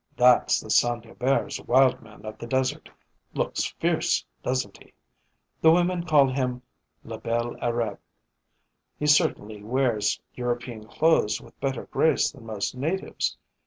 'That's the Saint Huberts' wild man of the desert. Looks fierce, doesn't he? The women call him "le bel Arabe." He certainly wears European clothes with better grace than most natives.